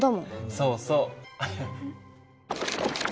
そうそう。